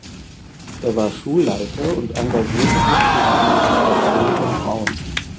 Er war Schulleiter und engagierte sich für die Emanzipation von Frauen.